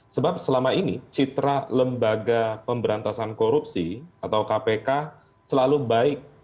sebab selama ini citra lembaga pemberantasan korupsi atau kpk selalu baik